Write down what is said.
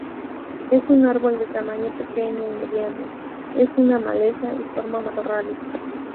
Es un árbol de tamaño pequeño y mediano, es una maleza y forma matorrales.